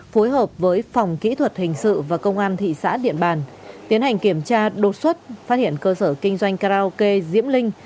phối hợp với phòng kỹ thuật hình sự và công an thị xã điện bàn tiến hành kiểm tra đột xuất phát hiện cơ sở kinh doanh karaoke diễm linh